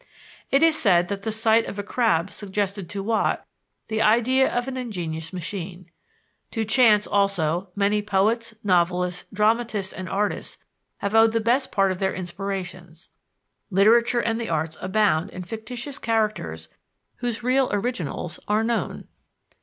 It is said that the sight of a crab suggested to Watt the idea of an ingenious machine. To chance, also, many poets, novelists, dramatists, and artists have owed the best part of their inspirations: literature and the arts abound in fictitious characters whose real originals are known.